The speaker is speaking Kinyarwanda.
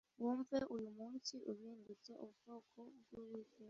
wumve uyu munsi uhindutse ubwoko bw uwiteka